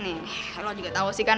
nih kalau juga tahu sih kan